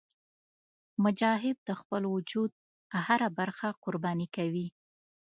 مجاهد د خپل وجود هره برخه قرباني کوي.